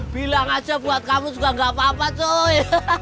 bilang aja buat kamu juga gak apa apa cuy